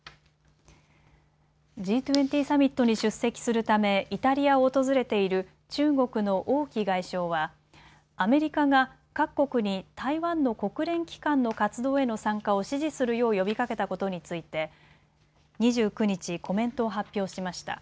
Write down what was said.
Ｇ２０サミットに出席するためイタリアを訪れている中国の王毅外相はアメリカが各国に台湾の国連機関の活動への参加を支持するよう呼びかけたことについて２９日、コメントを発表しました。